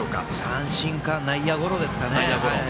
三振か内野ゴロですかね。